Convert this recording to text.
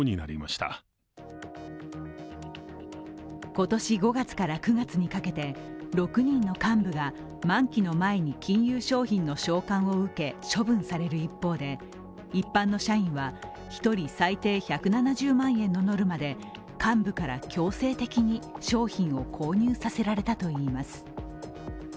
今年５月から９月にかけて６人の幹部が満期の前に金融商品の償還を受け処分される一方で、一般の社員は１人最低１７０万円のノルマで幹部から強制的に商品を購入させられたといいます。